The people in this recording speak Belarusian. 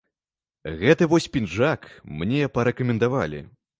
Гэты вось пінжак мне парэкамендавалі.